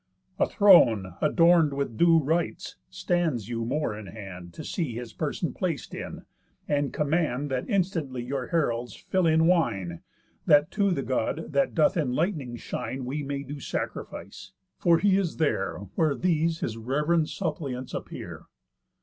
A throne, Adorn'd with due rites, stands you more in hand To see his person plac'd in, and command That instantly your heralds fill in wine, That to the God that doth in lightnings shine We may do sacrifice; for he is there, Where these his rev'rend suppliants appear.